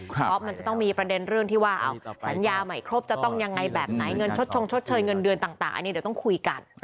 เพราะมันจะต้องมีประเด็นเรื่องที่ว่าสัญญาใหม่ครบจะต้องยังไงแบบไหนเงินชดชงชดเชยเงินเดือนต่างอันนี้เดี๋ยวต้องคุยกัน